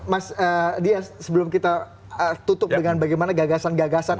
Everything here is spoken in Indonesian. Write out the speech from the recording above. mas dia sebelum kita tutup dengan bagaimana gagasan gagasan